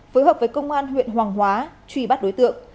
phối hợp với công an huyện hoàng hóa truy bắt đối tượng